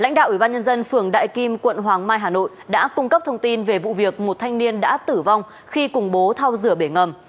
lãnh đạo ủy ban nhân dân phường đại kim quận hoàng mai hà nội đã cung cấp thông tin về vụ việc một thanh niên đã tử vong khi khủng bố thao rửa bể ngầm